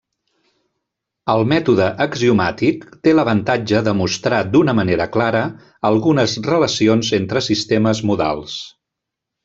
El mètode axiomàtic té l'avantatge de mostrar d'una manera clara algunes relacions entre sistemes modals.